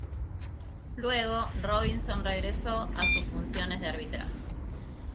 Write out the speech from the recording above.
Luego Robinson regresó a sus funciones de arbitraje.